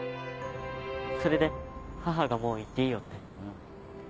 それで母がもう行っていいよって。